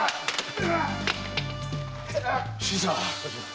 新さん！